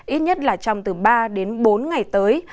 ít nhất là trong từ ba đến bốn ngày tới